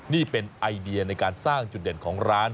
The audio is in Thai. นี่เป็นไอเดียในการสร้างจุดเด่นของร้าน